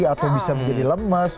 atau bisa menjadi lemes